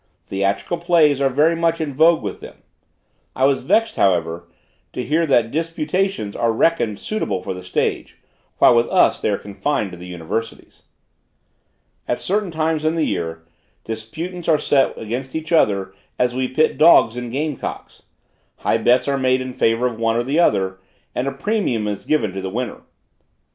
Theatrical plays are very much in vogue with them. I was vexed, however, to hear that disputations are reckoned suitable for the stage, while with us they are confined to the universities. At certain times in the year, disputants are set against each other, as we pit dogs and game cocks. High bets are made in favor of one or the other, and a premium is given to the winner.